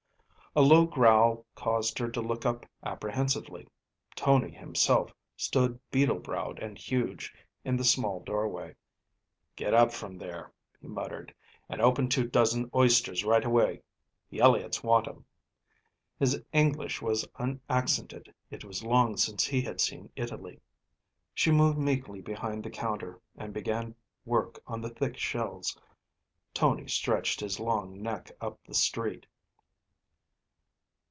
A low growl caused her to look up apprehensively. Tony himself stood beetle browed and huge in the small doorway. "Get up from there," he muttered, "and open two dozen oysters right away; the Eliots want 'em." His English was unaccented. It was long since he had seen Italy. She moved meekly behind the counter, and began work on the thick shells. Tony stretched his long neck up the street.